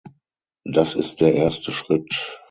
Das ist der erste Schritt.